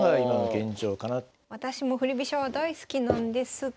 私も振り飛車は大好きなんですが。